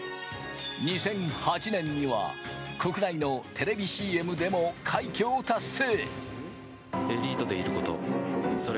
２００８年には国内のテレビＣＭでも快挙を達成。